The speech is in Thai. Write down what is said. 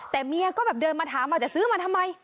แต่เมียก็แบบเดินมาถามว่าจะซื้อมาทำไม